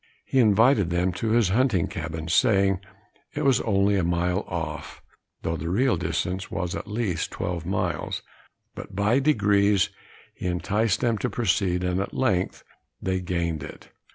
He invited them to his hunting cabin, saying it was only a mile off, though the real distance was at least twelve miles; but, by degrees he enticed them to proceed, and at length they gained it.